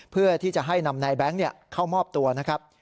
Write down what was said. เพื่อที่จะให้นำนายแบงค์เข้ามอบตัวนะครับ